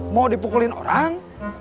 mau dipukulin orang